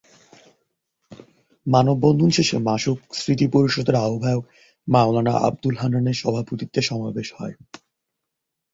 মানববন্ধন শেষে মাশুক স্মৃতি পরিষদের আহ্বায়ক মাওলানা আবদুল হান্নানের সভাপতিত্বে সমাবেশ হয়।